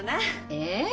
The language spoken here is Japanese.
え？